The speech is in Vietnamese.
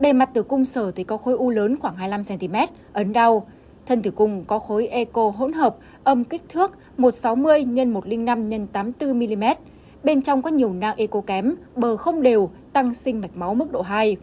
bề mặt từ cung sở thì có khối u lớn khoảng hai mươi năm cm ấn đau thân tử cung có khối eco hỗn hợp âm kích thước một trăm sáu mươi x một trăm linh năm x tám mươi bốn mm bên trong có nhiều nang eco kém bờ không đều tăng sinh mạch máu mức độ hai